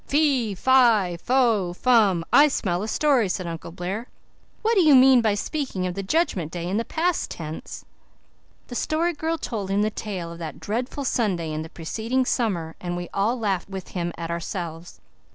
"Fe, fi, fo, fum, I smell a story," said Uncle Blair. "What do you mean by speaking of the Judgment Day in the past tense?" The Story Girl told him the tale of that dreadful Sunday in the preceding summer and we all laughed with him at ourselves.